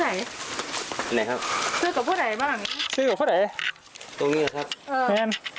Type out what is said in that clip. ไหนครับเสื้อกับพ่อใดบ้านหลังนี้เสื้อกับพ่อใดตรงนี้เหรอครับเออเนี้ย